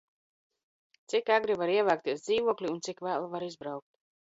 Cik agri var ievākties dzīvoklī un cik vēlu var izbraukt?